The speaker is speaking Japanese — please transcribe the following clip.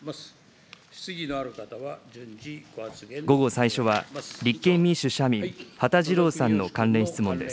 午後最初は、立憲民主・社民、羽田次郎さんの関連質問です。